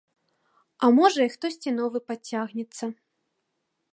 А можа і хтосьці новы падцягнецца.